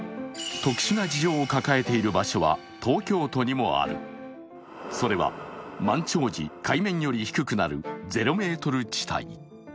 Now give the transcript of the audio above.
特殊な事情を抱えている場所は東京都にもあるそれは、満潮時、海面より低くなる０ｍ地帯。